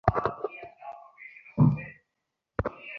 কেন বিষয়টা ঠিকভাবে হলো না?